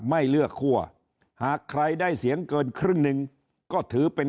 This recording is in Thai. ไม่เลือกคั่วหากใครได้เสียงเกินครึ่งหนึ่งก็ถือเป็น